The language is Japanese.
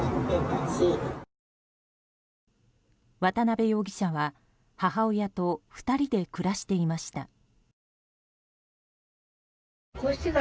渡邊容疑者は母親と２人で暮らしていました。